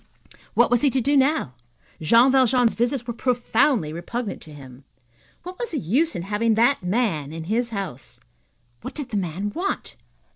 What was he to do now? Jean Valjean's visits were profoundly repugnant to him. What was the use in having that man in his house? What did the man want?